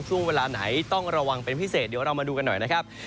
ช่วงเวลาไหนต้องระวังเป็นพิเศษเดี๋ยวเรามาดูกันหน่อยนะครับ